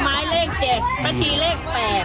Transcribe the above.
ผลไม้เลข๗ป้าชีเลข๘